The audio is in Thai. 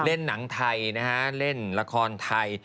เล่นหนังไทยนะฮะเล่นละครไทย